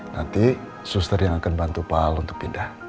nanti suster yang akan bantu pal untuk pindah